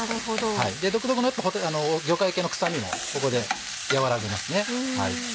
独特の魚介系の臭みもここで和らぎますね。